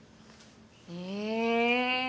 へえ。